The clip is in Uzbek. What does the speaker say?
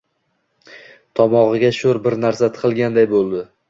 tomogʻiga shoʻr bir narsa tiqilganday boʻldi.